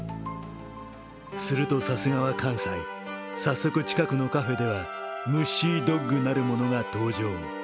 すると、さすがは関西早速近くのカフェではムッシードッグなるものが登場。